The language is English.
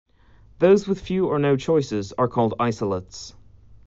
Those with few or no choices are called isolates.